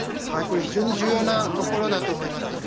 これ、非常に重要なところだと思います。